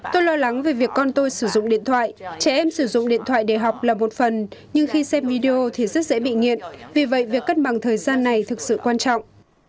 tôi lo lắng về việc con tôi sử dụng điện thoại trẻ em sử dụng điện thoại để học là một phần nhưng khi xem video thì rất dễ bị nghiện vì vậy việc cất bằng thời gian này thực sự quan trọng